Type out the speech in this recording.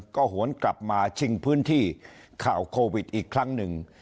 ก็หวนกลับมาชิงพื้นที่ข่าวโควิดอีกครั้งหนึ่ง